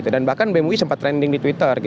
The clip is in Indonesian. dan bahkan bemui sempat trending di twitter